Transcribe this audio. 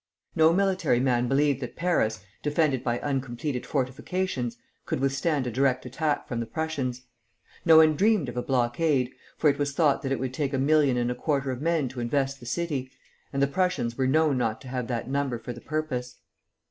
No military man believed that Paris, defended by uncompleted fortifications, could withstand a direct attack from the Prussians; no one dreamed of a blockade, for it was thought that it would take a million and a quarter of men to invest the city, and the Prussians were known not to have that number for the purpose.